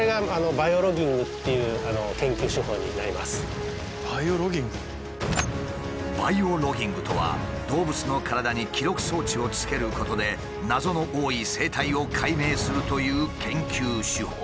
「バイオロギング」とは動物の体に記録装置をつけることで謎の多い生態を解明するという研究手法。